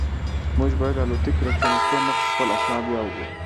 موږ باید د الوتکې له کښېناستو مخکې خپل اسناد بیا وګورو.